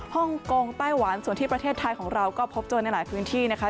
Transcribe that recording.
ฮ่องกงไต้หวันส่วนที่ประเทศไทยของเราก็พบเจอในหลายพื้นที่นะคะ